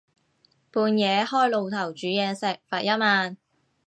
半夜開爐頭煮嘢食，罰一萬